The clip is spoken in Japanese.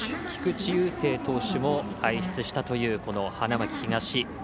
菊池雄星投手も輩出したというこの花巻東。